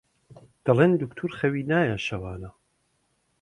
دەڵێن دوکتۆر خەوی نایە شەوانە